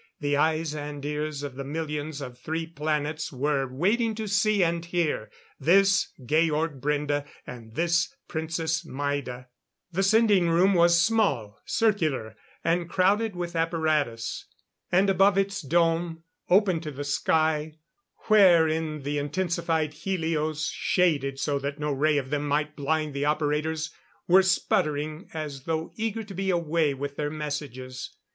The eyes and ears of the millions of three planets were waiting to see and hear this Georg Brende and this Princess Maida. The sending room was small, circular, and crowded with apparatus. And above its dome, opened to the sky, wherein the intensified helios shaded so that no ray of them might blind the operators, were sputtering as though eager to be away with their messages.